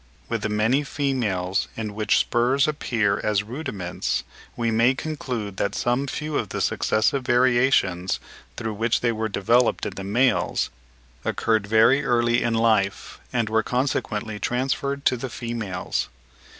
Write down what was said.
With the many females in which spurs appear as rudiments, we may conclude that some few of the successive variations, through which they were developed in the males, occurred very early in life, and were consequently transferred to the females.